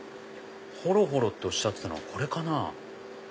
ほろほろっておっしゃってたのこれかな？